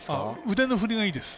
腕の振りがいいです。